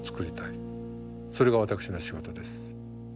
それが私の仕事です。